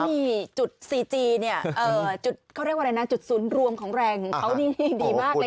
นี่จุดซีจีเนี่ยจุดเขาเรียกว่าอะไรนะจุดศูนย์รวมของแรงของเขานี่ดีมากเลย